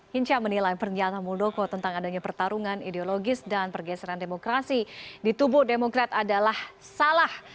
hinca menilai pernyataan muldoko tentang adanya pertarungan ideologis dan pergeseran demokrasi di tubuh demokrat adalah salah